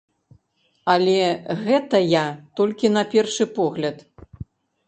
Але гэтая толькі на першы погляд.